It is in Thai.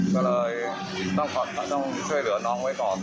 ก็เลยต้องช่วยเหลือน้องไว้ก่อน